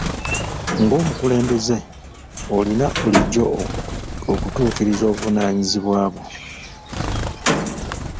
Ng'omukulembeze, olina bulijjo okutuukiriza obuvunaanyizibwa bwo.